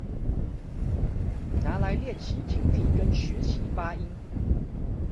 拿來練習聽力跟學習發音